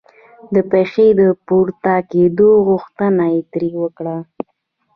د پښې د پورته کېدو غوښتنه یې ترې وکړه.